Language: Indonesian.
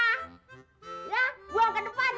ya buang ke depan